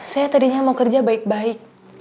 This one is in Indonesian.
saya tadinya mau kerja baik baik